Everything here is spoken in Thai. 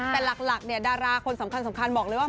แต่หลักเนี่ยดาราคนสำคัญบอกเลยว่า